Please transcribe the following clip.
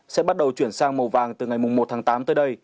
sẽ bắt đầu chuyển sang màu vàng từ ngày một tháng tám tới đây